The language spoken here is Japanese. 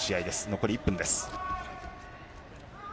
残り１分です。